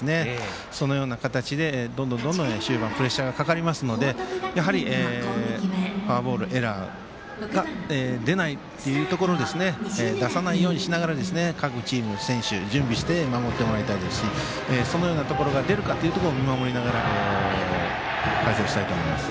そのような形で、どんどん終盤プレッシャーがかかりますのでフォアボール、エラーが出ないというところ出さないようにしながら各チーム、各選手は準備して守ってもらいたいですしそのようなところが出るかを見守りながら解説したいと思います。